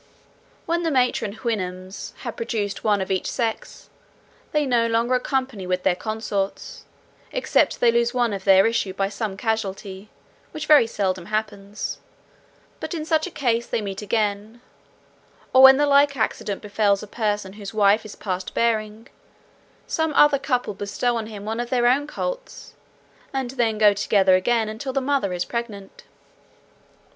When the matron Houyhnhnms have produced one of each sex, they no longer accompany with their consorts, except they lose one of their issue by some casualty, which very seldom happens; but in such a case they meet again; or when the like accident befalls a person whose wife is past bearing, some other couple bestow on him one of their own colts, and then go together again until the mother is pregnant.